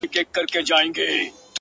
• زه خو پاچا نه؛ خپلو خلگو پر سر ووهلم،